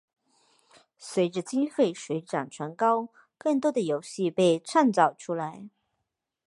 随着经费水涨船高更多的游戏被创造出来。